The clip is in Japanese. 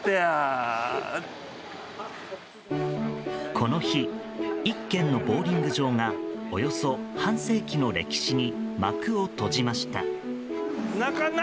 この日１軒のボウリング場がおよそ半世紀の歴史に幕を閉じました。